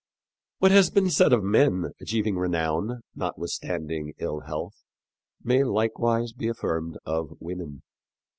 What has been said of men achieving renown, notwithstanding ill health, may likewise be affirmed of women.